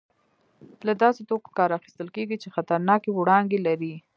له داسې توکو کار اخیستل کېږي چې خطرناکې وړانګې لري.